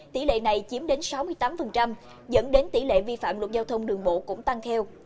tỷ lệ này chiếm đến sáu mươi tám dẫn đến tỷ lệ vi phạm luật giao thông đường bộ cũng tăng theo